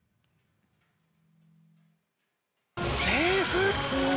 セーフ！